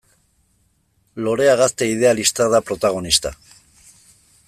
Lorea gazte idealista da protagonista.